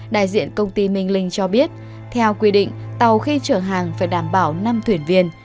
đại diện công ty minh linh cho biết theo quy định tàu khi chở hàng phải đảm bảo năm thuyền viên